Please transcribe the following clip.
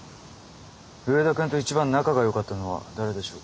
上田君と一番仲がよかったのは誰でしょうか？